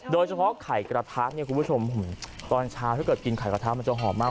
โดยเฉพาะไข่กระทะเนี่ยคุณผู้ชมตอนเช้าถ้าเกิดกินไข่กระทะมันจะหอมมาก